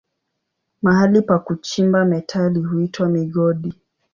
Mahali pa kuchimba metali huitwa migodi.